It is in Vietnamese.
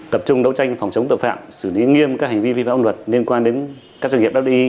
tập trung đấu tranh phòng chống tội phạm xử lý nghiêm các hành vi vi phạm luật liên quan đến các doanh nghiệp fdi